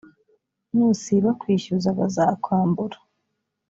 nusiba kwishyuza bazakwambura,